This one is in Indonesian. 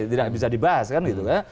tidak bisa dibahas kan gitu kan